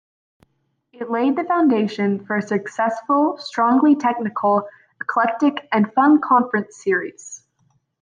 It laid the foundation for a successful, strongly technical, eclectic and fun conference series.